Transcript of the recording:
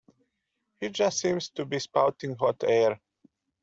He just seems to be spouting hot air.